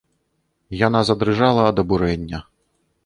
Яна задрыжала ад абурэння.